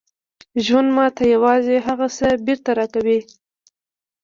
ژوند ماته یوازې هغه څه بېرته راکوي